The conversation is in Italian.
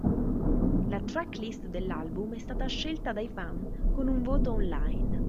La tracklist dell'album è stata scelta dai fans con un voto online.